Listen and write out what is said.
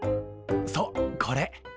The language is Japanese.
そうこれ。